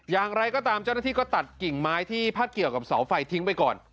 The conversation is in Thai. อย่างไรก็ตามเจ้าหน้าที่ก็ตัดกิ่งไม้ที่พัดเกี่ยวกับเสาไฟทิ้งไปก่อน